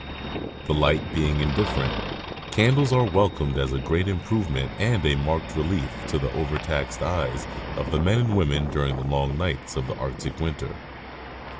The light being indifferent, candles are welcomed as a great improvement and a marked relief to the over taxed eyes of the men and women during the long nights of the Arctic winter.